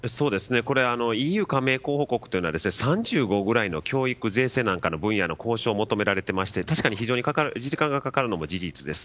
ＥＵ加盟候補国というのは３５ぐらいの教育、税制などの交渉を求められていて確かに非常に時間がかかるのも事実です。